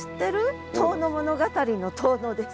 「遠野物語」の遠野です。